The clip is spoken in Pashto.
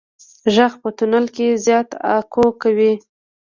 غږ په تونل کې زیات اکو کوي.